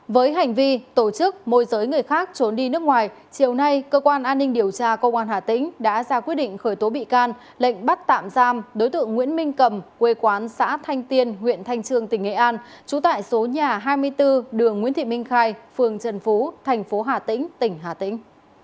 với hành vi tổ chức môi giới người khác trốn đi nước ngoài chiều nay cơ quan an ninh điều tra công an hà tĩnh đã ra quyết định khởi tố bị can lệnh bắt tạm giam đối tượng nguyễn minh cầm quê quán xã thanh tiên huyện thanh trương tỉnh nghệ an trú tại số nhà hai mươi bốn đường nguyễn thị minh khai phường trần phú thành phố hà tĩnh tỉnh hà tĩnh